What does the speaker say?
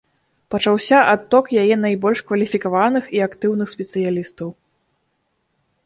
Пачаўся адток яе найбольш кваліфікаваных і актыўных спецыялістаў.